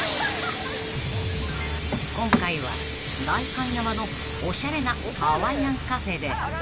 ［今回は代官山のおしゃれなハワイアンカフェで］